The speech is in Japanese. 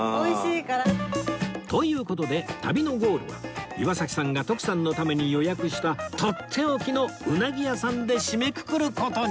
という事で旅のゴールは岩崎さんが徳さんのために予約したとっておきのうなぎ屋さんで締めくくる事に！